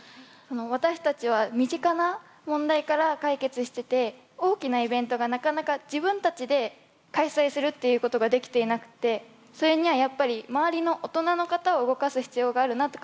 私たちは身近な問題から解決してて大きなイベントがなかなか自分たちで開催するっていうことができていなくてそれにはやっぱり周りの大人の方を動かす必要があるなって感じています。